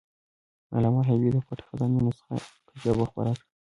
علامه حبیبي د "پټه خزانه" نسخه کشف او خپره کړه.